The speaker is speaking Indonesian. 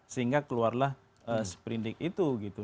sehingga keluarlah seperindik itu gitu